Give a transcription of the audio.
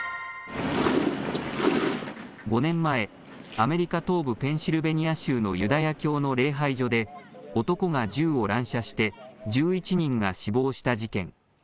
５年前、アメリカ東部ペンシルベニア州のユダヤ教の礼拝所で男が銃を乱射して１１人が死亡した事件。